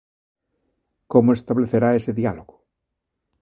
Como establecerá ese diálogo?